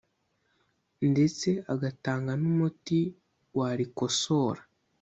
ndetse agatanga n’umuti warikosora